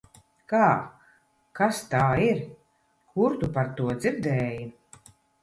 Kā? Kas tā ir? Kur tu par to dzirdēji?